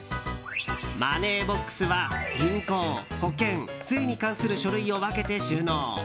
マネーボックスは銀行、保険税に関する書類を分けて収納。